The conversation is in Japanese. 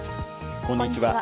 こんにちは。